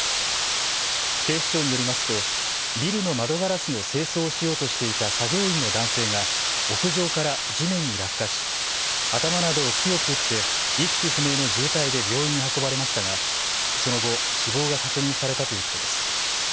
警視庁によりますとビルの窓ガラスの清掃をしようとしていた作業員の男性が屋上から地面に落下し頭などを強く打って意識不明の重体で病院に運ばれましたがその後、死亡が確認されたということです。